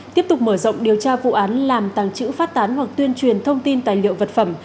tiếp tục mở rộng điều tra vụ án làm tàng trữ phát tán hoặc tuyên truyền thông tin tài liệu vật phẩm